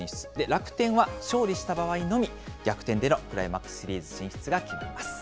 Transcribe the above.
楽天は勝利した場合のみ逆転でのクライマックスシリーズ進出が決まります。